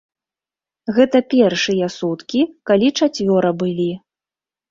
Гэта першыя суткі, калі чацвёра былі.